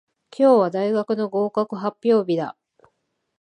今日は大学の合格発表日だ。